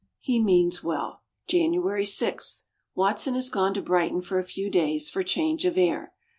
He means well. January 6. Watson has gone to Brighton for a few days, for change of air.